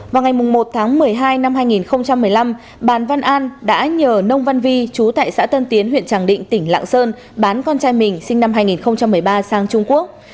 vào ngày một tháng một mươi hai năm hai nghìn một mươi năm bàn văn an đã nhờ nông văn vi chú tại xã tân tiến huyện tràng định tỉnh lạng sơn bán con trai mình sinh năm hai nghìn một mươi ba sang trung quốc